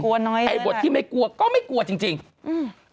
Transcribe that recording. กลัวน้อยเลยแหละไอบทที่ไม่กลวก็ไม่กลัวจริงจริงอืม